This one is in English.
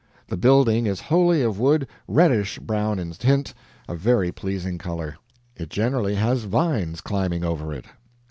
The building is wholly of wood, reddish brown in tint, a very pleasing color. It generally has vines climbing over it.